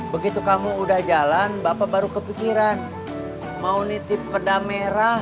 begitu kamu udah jalan bapak baru kepikiran mau nitip peda merah